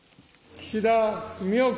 岸田文雄君。